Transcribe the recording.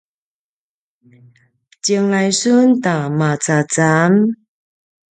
tjenglai sun ta macacam?